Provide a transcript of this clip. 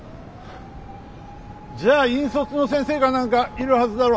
じゃあ引率の先生か何かいるはずだろ。